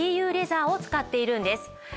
レザーを使っているんです。